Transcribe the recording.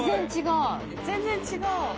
全然違う。